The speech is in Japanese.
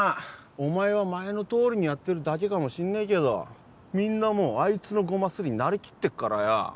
お前は前のとおりにやってるだけかもしんねえけどみんなもうあいつのゴマすりに慣れきってっからよ